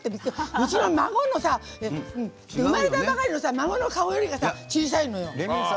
うちの孫生まれたばかりの孫の顔よりか小さいのよ。